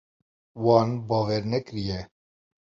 Wan bawer nekiriye.